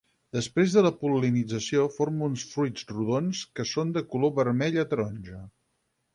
Després de la pol·linització forma uns fruits rodons que són de color vermell a taronja.